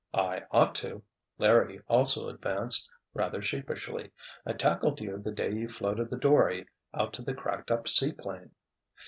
"I ought to," Larry also advanced, rather sheepishly. "I tackled you the day you floated the dory out to the cracked up seaplane."